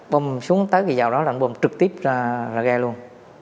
bơm xuống tới cây dầu đó là anh bơm trực tiếp ra ghe luôn